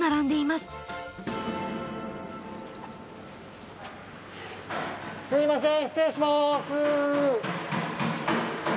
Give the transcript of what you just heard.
すすいません。